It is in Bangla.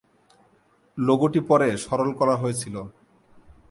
লোগোটি পরে সরল করা হয়েছিল।